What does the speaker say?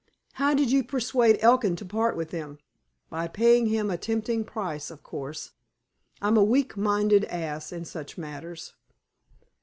"How did you persuade Elkin to part with them?" "By paying him a tempting price, of course. I'm a weak minded ass in such matters."